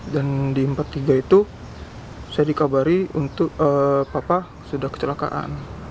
dan di empat belas empat puluh tiga itu saya dikabari untuk papa sudah kecelakaan